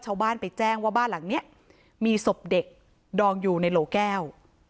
ชาวบ้านไปแจ้งว่าบ้านหลังนี้มีศพเด็กดองอยู่ในโหลแก้ว